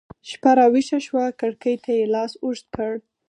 شپه راویښه شوه کړکۍ ته يې لاس اوږد کړ